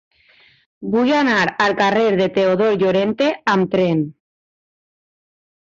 Vull anar al carrer de Teodor Llorente amb tren.